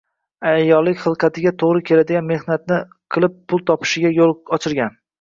ayollik hilqatiga to‘g‘ri keladigan mehnatni qilib pul topishiga yo‘l ochilgan.